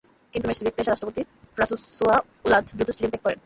কিন্তু ম্যাচটি দেখতে আসা রাষ্ট্রপতি ফ্রাসোয়া ওঁলাদ দ্রুত স্টেডিয়াম ত্যাগ করেন।